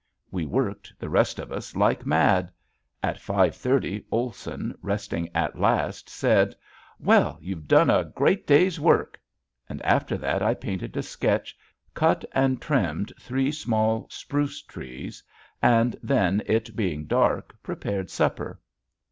We worked, the rest of us, like mad. At five thirty Olson, resting at last, said: "Well, you've done a great day's work." And after that I painted a sketch, cut and trimmed three small spruce trees; and then, it being dark, prepared supper.